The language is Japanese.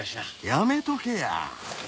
やめとけや。